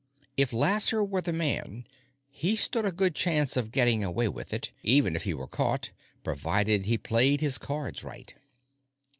If Lasser were the man, he stood a good chance of getting away with it, even if he were caught, provided he played his cards right.